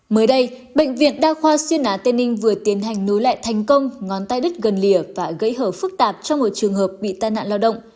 mới đây bệnh viện đa khoa xuyên á tây ninh vừa tiến hành nối lại thành công ngón tay đứt gần lìa và gãy hở phức tạp cho một trường hợp bị tai nạn lao động